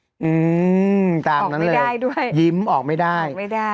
อืมตามนั้นเลยได้ด้วยยิ้มออกไม่ได้ไม่ได้